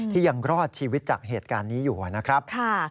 ยังรอดชีวิตจากเหตุการณ์นี้อยู่นะครับ